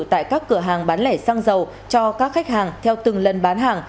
tại các cửa hàng bán lẻ xăng dầu cho các khách hàng theo từng lần bán hàng